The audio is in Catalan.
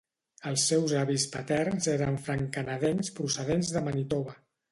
Els seus avis paterns eren franc-canadencs procedents de Manitoba.